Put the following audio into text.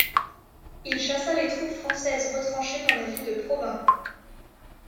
Il chassa les troupes françaises retranchées dans la ville de Provins.